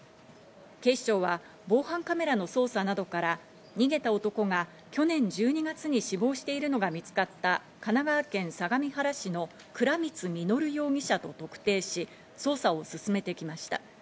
警視庁は防犯カメラの捜査などから、逃げた男が去年１２月に死亡しているのが見つかった神奈川県相模原市の倉光実容疑者と特定し、捜査を進めてきました。